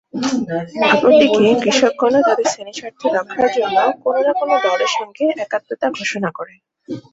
অপরদিকে কৃষকগণও তাদের শ্রেণিস্বার্থ রক্ষার জন্য কোনো না কোনো দলের সঙ্গে একাত্মতা ঘোষণা করে।